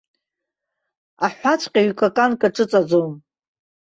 Аҳәаҵәҟьа ҩ-каканк аҿыҵаӡом.